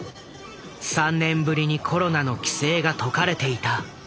３年ぶりにコロナの規制が解かれていた。